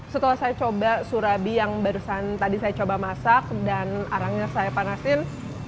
setelah saya coba surabi yang barusan tadi saya coba masak dan arangnya saya panasin